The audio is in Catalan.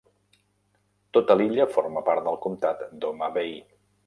Tota l'illa forma part del comtat d'Homa Bay.